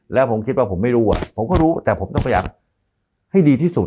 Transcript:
แล้วผมคิดว่าผมไม่รู้อ่ะผมก็รู้แต่ผมต้องพยายามให้ดีที่สุด